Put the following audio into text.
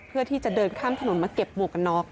เพื่อที่จะเดินข้ามถนนมาเก็บหมวกกันน็อก